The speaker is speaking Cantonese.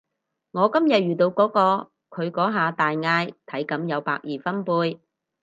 我今日遇到嗰個，佢嗰下大嗌體感有百二分貝